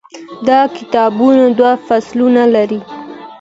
دا کتاب دوه فصلونه لري.